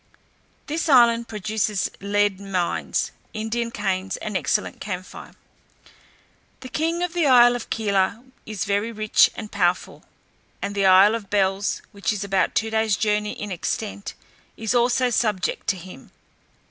This island produces lead mines, Indian canes, and excellent camphire. The king of the isle of Kela is very rich and powerful, and the isle of Bells, which is about two days journey in extent, is also subject to him.